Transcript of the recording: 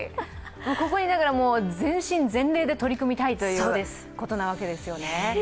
ここにいながら全身全霊で取り組みたいということですね。